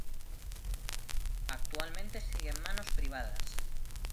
Actualmente sigue en manos privadas.